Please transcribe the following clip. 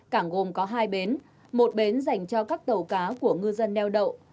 cảng gồm có hai bến một bến dành cho các tàu cá của ngư dân neo đậu